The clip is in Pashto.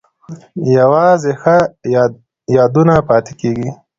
یوازې ښه یادونه پاتې کیږي؟